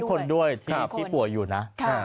คนด้วยที่ป่วยอยู่นะ